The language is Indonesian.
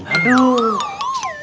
aduh bang jamal